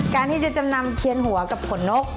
การที่จะจำนำเทียนหัวกับขนนก